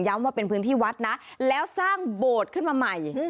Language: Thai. ว่าเป็นพื้นที่วัดนะแล้วสร้างโบสถ์ขึ้นมาใหม่